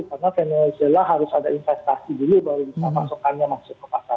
karena venezuela harus ada investasi dulu baru bisa pasokannya masuk ke pasar